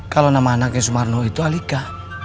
kalau nama anaknya sumarno itu alika